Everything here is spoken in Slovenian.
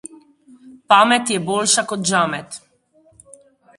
Pamet je boljša kot žamet.